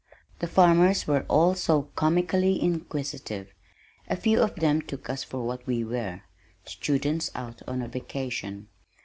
The farmers were all so comically inquisitive. A few of them took us for what we were, students out on a vacation.